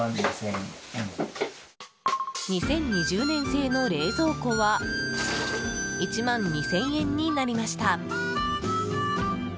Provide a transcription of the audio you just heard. ２０２０年製の冷蔵庫は１万２０００円になりました。